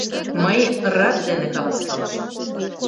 Мый рат дене каласкалышым.